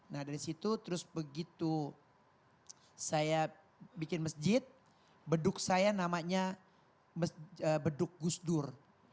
nah dari situ terus begitu saya bikin masjid beduk saya namanya beduk gusdur